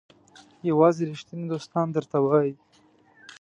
یوازې ریښتیني دوستان درته وایي.